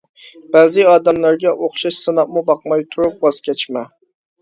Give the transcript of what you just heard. بەزى ئادەملەرگە ئوخشاش سىناپمۇ باقماي تۇرۇپ ۋاز كەچمە.